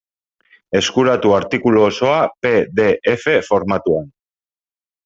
Eskuratu artikulu osoa pe de efe formatuan.